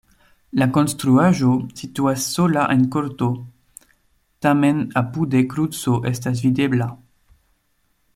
La konstruaĵo situas sola en korto, tamen apude kruco estas videbla.